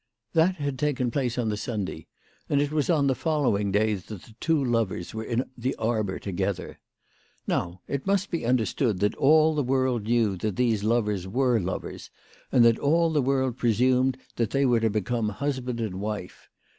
That had taken place on the Sunday, and it was on the following day that the two lovers were in the arbour together. Now it must be understood that all the world knew that these lovers were lovers, and that all the world presumed that they were to become husband and wife.